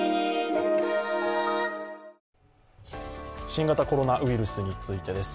新型コロナウイルスについてです。